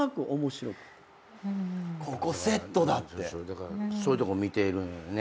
だからそういうとこ見てるのね。